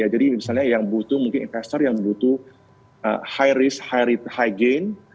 jadi misalnya yang butuh mungkin investor yang butuh high risk high gain